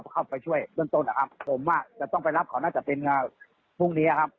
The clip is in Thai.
เข้าไปช่วยเบื้องต้นนะครับผมจะต้องไปรับเขาน่าจะเป็นพรุ่งนี้ครับ